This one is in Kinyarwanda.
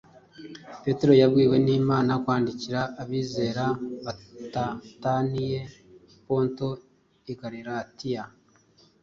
petero yabwiwe n’imana kwandikira abizera “batataniye i ponto, i galatiya,